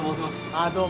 ああどうも。